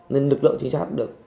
nên lực lượng chính sát được